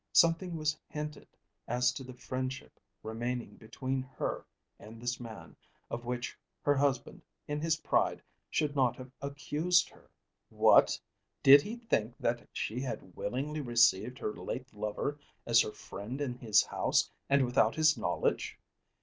Something was hinted as to the friendship remaining between her and this man, of which her husband, in his pride, should not have accused her. What! Did he think that she had willingly received her late lover as her friend in his house and without his knowledge?